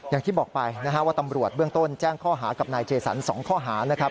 อย่างที่บอกไปนะฮะว่าตำรวจเบื้องต้นแจ้งข้อหากับนายเจสัน๒ข้อหานะครับ